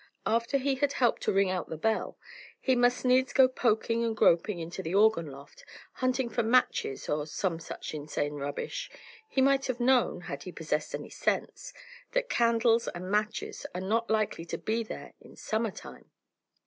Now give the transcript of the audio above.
"After he had helped to ring out the bell, he must needs go poking and groping into the organ loft, hunting for matches or some such insane rubbish. He might have known, had he possessed any sense, that candles and matches are not likely to be there in summer time!